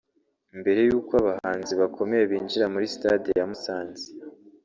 Mbere y’uko abahanzi bakomeye binjira muri stade ya Musanze